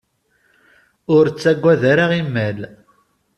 Ur ttagad ara imal!